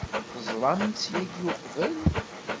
Teẓram-tt yagi uqbel?